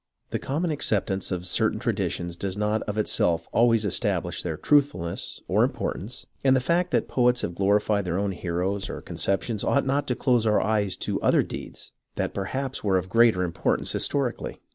The common acceptance of certain traditions does not of itself always establish their truthfulness or importance, and the fact that poets have glorified their own heroes or conceptions ought not to close our eyes to other deeds that perhaps were of greater importance historically.